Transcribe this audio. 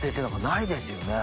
ないですよね。